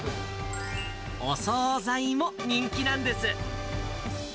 お総菜も人気なんです。